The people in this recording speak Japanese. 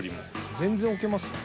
全然置けます。